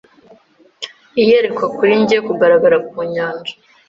Iyerekwa kuri njye Kugaragara ku nyanja